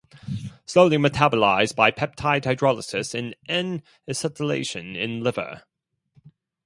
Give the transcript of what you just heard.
Slowly metabolized by peptide hydrolysis and "N"-acetylation in liver.